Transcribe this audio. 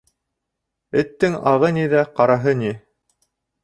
Эттең ағы ни ҙә, ҡараһы ни!